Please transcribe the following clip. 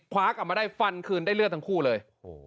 กลับมาได้ฟันคืนได้เลือดทั้งคู่เลย